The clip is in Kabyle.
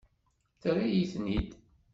Terra-yi-ten-id.